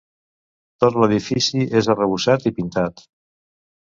Tot l'edifici és arrebossat i pintat.